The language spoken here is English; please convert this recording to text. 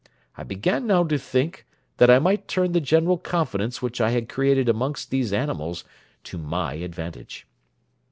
I began now to think that I might turn the general confidence which I had created amongst these animals to my advantage.